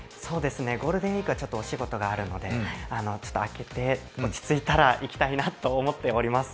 ゴールデンウイークはちょっとお仕事があるので明けて落ち着いたら行きたいなと思っております。